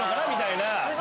みたいな。